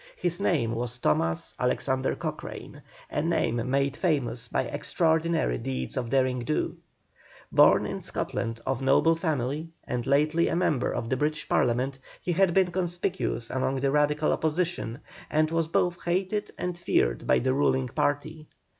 His name was THOMAS ALEXANDER COCHRANE, a name made famous by extraordinary deeds of derring do. Born in Scotland of noble family, and lately a member of the British Parliament, he had been conspicuous among the Radical opposition, and was both hated and feared by the ruling party.